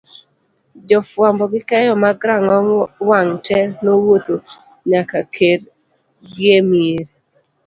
jofuambo gi keyo mag rang'ong wang' te nowuodho nyakakorgiemier